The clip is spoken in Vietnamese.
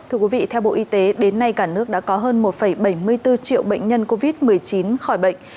thưa quý vị theo bộ y tế đến nay cả nước đã có hơn một bảy mươi bốn triệu bệnh nhân covid một mươi chín khỏi bệnh